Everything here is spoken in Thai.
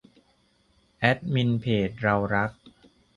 แอดมินเพจ เรารัก